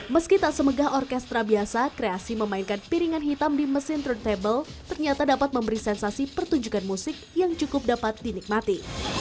meski tak semegah orkestra biasa kreasi memainkan piringan hitam di mesin turntable ternyata dapat memberi sensasi pertunjukan musik yang cukup dapat dinikmati